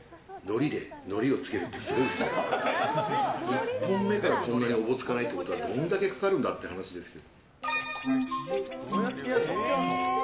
１本目からこんなにおぼつかないってことはどんだけかかるんだって話ですよ。